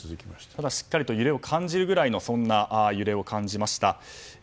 ただしっかりと揺れを感じるぐらいのそんな揺れを感じました。